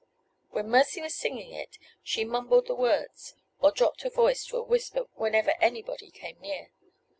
When Mercy was singing it she mumbled the words, or dropped her voice to a whisper whenever anybody came near.